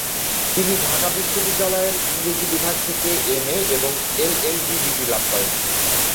তিনি ঢাকা বিশ্ববিদ্যালয়ের ইংরেজি বিভাগ থেকে এমএ এবং এলএলবি ডিগ্রি লাভ করেন।